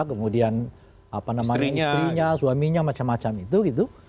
kemudian apa namanya istrinya suaminya macam macam itu gitu